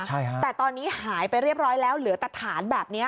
ใช่ฮะแต่ตอนนี้หายไปเรียบร้อยแล้วเหลือแต่ฐานแบบนี้